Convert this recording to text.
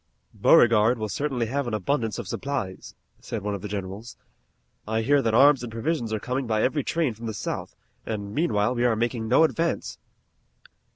"Beauregard will certainly have an abundance of supplies," said one of the generals. "I hear that arms and provisions are coming by every train from the South, and meanwhile we are making no advance."